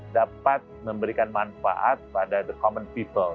dapat memberikan manfaat pada the common people